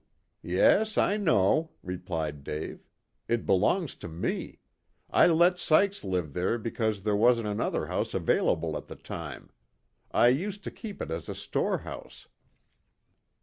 "Yes, I know," replied Dave. "It belongs to me. I let Sykes live there because there wasn't another house available at the time. I used to keep it as a storehouse."